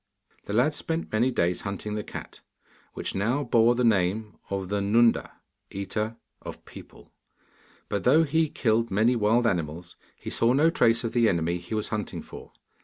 The lad spent many days hunting the cat, which now bore the name of 'The Nunda, eater of people,' but though he killed many wild animals he saw no trace of the enemy he was hunting for.